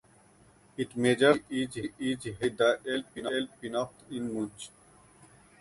It measures and is held by the Alte Pinakothek in Munich.